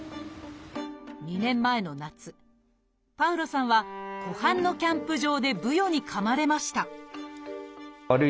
２年前の夏パウロさんは湖畔のキャンプ場でブヨにかまれました